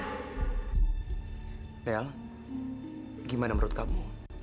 mel gimana menurut kamu